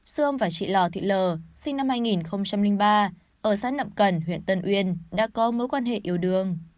sương và chị lò thị lờ sinh năm hai nghìn ba ở xã nậm cần huyện tân uyên đã có mối quan hệ yêu đương